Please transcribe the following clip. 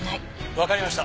「わかりました。